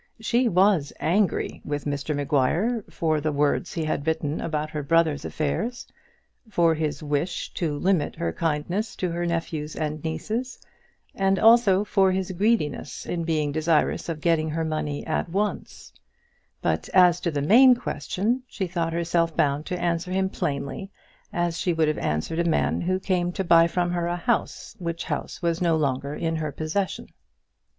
She was angry with Mr Maguire for the words he had written about her brother's affairs; for his wish to limit her kindness to her nephews and nieces, and also for his greediness in being desirous of getting her money at once; but as to the main question, she thought herself bound to answer him plainly, as she would have answered a man who came to buy from her a house, which house was no longer in her possession.